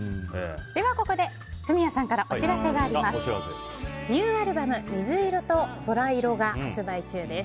では、ここでフミヤさんからお知らせがあります。